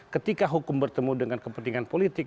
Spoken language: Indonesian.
ketika hukum bertemu dengan kepentingan politik